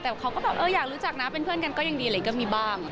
แต่เขาก็แบบเอออยากรู้จักนะเป็นเพื่อนกันก็ยังดีอะไรก็มีบ้าง